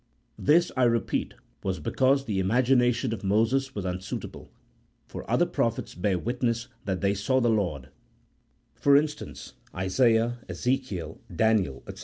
Tins, I repeat, was because the imagination of Moses was unsuit able, for other prophets bear witness that they saw the Lord ; for instance, Isaiah, Ezekiel, Daniel, &c.